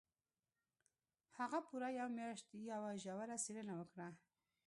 هغه پوره یوه میاشت یوه ژوره څېړنه وکړه